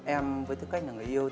em với thức cách là người yêu